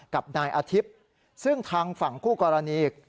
กับนายอาทิตย์ซึ่งทางฝั่งคู่กรณีอีก